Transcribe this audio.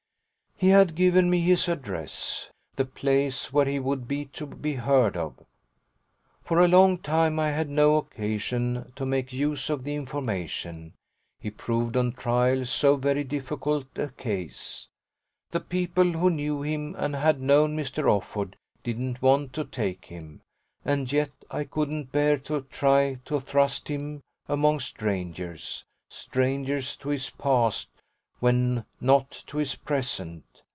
He had given me his address the place where he would be to be heard of. For a long time I had no occasion to make use of the information: he proved on trial so very difficult a case. The people who knew him and had known Mr. Offord didn't want to take him, and yet I couldn't bear to try to thrust him among strangers strangers to his past when not to his present.